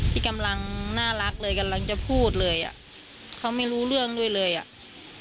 ที่กำลังน่ารักเลยกำลังจะพูดเลยอ่ะเขาไม่รู้เรื่องด้วยเลยอ่ะ